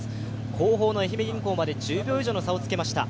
後方の愛媛銀行まで１０秒以上の差をつけました。